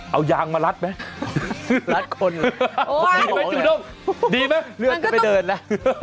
เอายางมารัดไหมรัดคนจูด้งดีไหมเลือดก็ไม่เดินแล้ว